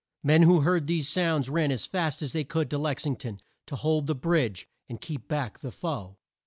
Men who heard these sounds ran as fast as they could to Lex ing ton, to hold the bridge, and keep back the foe.